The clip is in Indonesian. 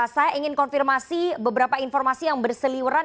saya ingin konfirmasi beberapa informasi yang berseliweran